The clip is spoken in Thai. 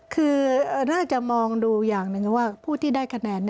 คือน่าจะมองดูอย่างหนึ่งว่าผู้ที่ได้คะแนน